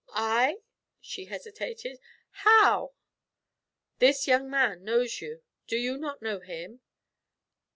'I?' she hesitated. 'How?' 'This young man knows you. Do you not know him?'